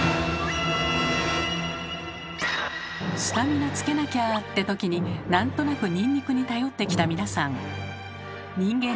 スタミナつけなきゃってときに何となくニンニクに頼ってきた皆さん。